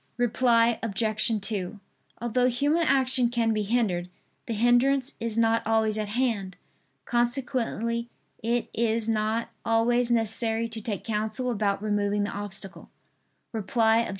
Reply Obj. 2: Although human action can be hindered, the hindrance is not always at hand. Consequently it is not always necessary to take counsel about removing the obstacle. Reply Obj.